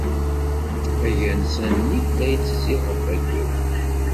Agensa-nni la yettezzi ɣef Wayyur.